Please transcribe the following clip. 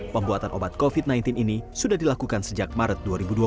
pembuatan obat covid sembilan belas ini sudah dilakukan sejak maret dua ribu dua puluh